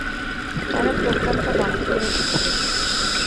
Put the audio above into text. তারা প্রোগ্রামটা বন্ধ করে দিচ্ছে।